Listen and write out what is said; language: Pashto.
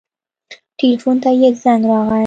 ټېلفون ته يې زنګ راغى.